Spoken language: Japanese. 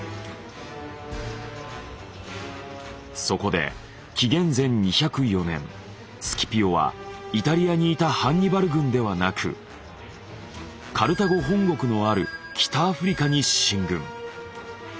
そこで紀元前２０４年スキピオはイタリアにいたハンニバル軍ではなくカルタゴ本国のある北アフリカに進軍。